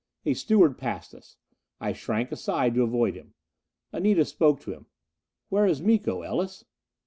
A steward passed us. I shrank aside to avoid him. Anita spoke to him. "Where is Miko, Ellis?"